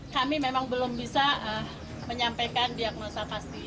kami memang belum bisa menyampaikan diagnosa pasti